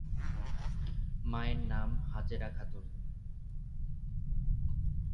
মায়ের নাম হাজেরা খাতুন।